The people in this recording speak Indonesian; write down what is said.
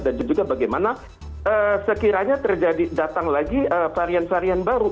dan juga bagaimana sekiranya terjadi datang lagi varian varian baru